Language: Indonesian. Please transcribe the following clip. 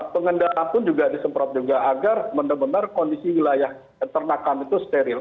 pengendaraan pun juga disemprot juga agar benar benar kondisi wilayah peternakan itu steril